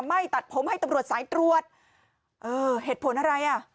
ไม่ตัดผมให้ตำรวจสายตรวจเออเหตุผลอะไรอ่ะ